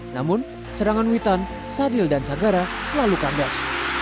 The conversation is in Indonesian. namun serangan witan sadil dan sagara selalu kandas